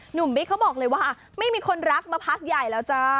บิ๊กเขาบอกเลยว่าไม่มีคนรักมาพักใหญ่แล้วจ้า